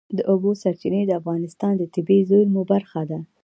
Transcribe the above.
د اوبو سرچینې د افغانستان د طبیعي زیرمو برخه ده.